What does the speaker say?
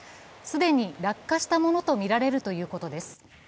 既に落下したものとみられるということです。